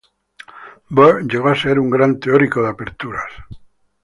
Bird llegó a ser un gran teórico de aperturas.